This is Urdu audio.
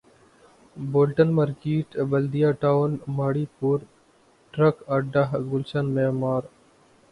Bolton market Baldia town Mauripur truck اڈہ گلشن معمار